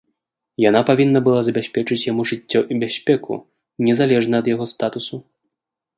Яна павінна была забяспечыць яму жыццё і бяспеку, незалежна ад яго статусу.